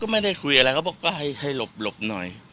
ก็ไม่ได้คุยอะไรก็บอกให้หลบหน่อย